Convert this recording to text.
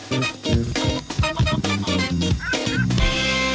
สวัสดีค่ะ